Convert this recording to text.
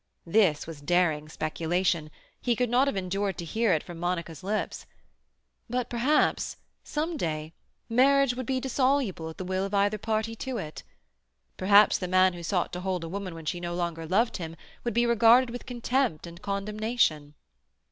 This was daring speculation; he could not have endured to hear it from Monica's lips. But—perhaps, some day, marriage would be dissoluble at the will of either party to it. Perhaps the man who sought to hold a woman when she no longer loved him would be regarded with contempt and condemnation.